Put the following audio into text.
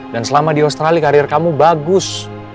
dan selama di australia karir kamu bagus